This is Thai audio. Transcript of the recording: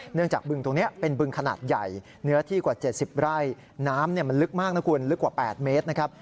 จากบึงตรงนี้เป็นบึงขนาดใหญ่เนื้อที่กว่า๗๐ไร่น้ำมันลึกมากนะคุณลึกกว่า๘เมตรนะครับ